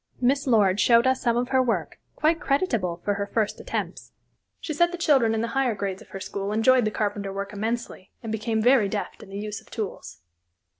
Miss Lord showed us some of her work, quite creditable for her first attempts. She said the children in the higher grades of her school enjoyed the carpenter work immensely and became very deft in the use of tools.